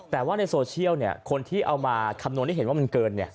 แต่ว่าในโซเชียลเนี่ยคนที่เอามาคำนวณได้เห็นว่ามันเกินเนี่ย